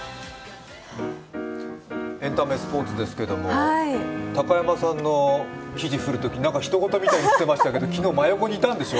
エンタメスポーツですけれども高山さんの記事振るとき、ひと事のように言ってましたけど、昨日いたんでしょ？